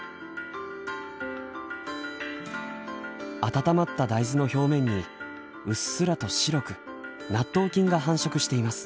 温まった大豆の表面にうっすらと白く納豆菌が繁殖しています。